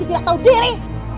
mesti tidak tahu diri